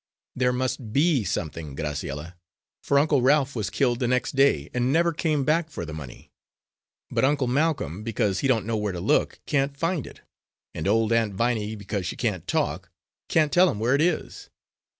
"There must be something, Graciella, for Uncle Ralph was killed the next day, and never came back for the money. But Uncle Malcolm, because he don't know where to look, can't find it; and old Aunt Viney, because she can't talk, can't tell him where it is."